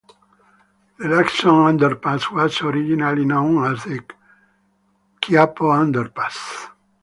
The Lacson Underpass was originally known as the Quiapo Underpass.